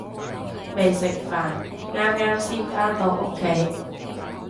未食飯，啱啱先返到屋企